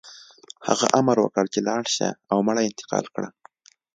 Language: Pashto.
هغه امر وکړ چې لاړ شه او مړي انتقال کړه